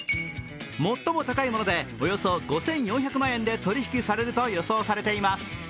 最も高いものでおよそ５４００万円で取引されると予想されています。